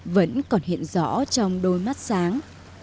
vẫn còn hiện rõ trong đôi mắt sáng